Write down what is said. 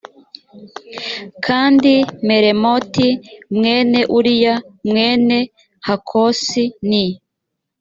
kandi meremoti mwene uriya mwene hakosi ni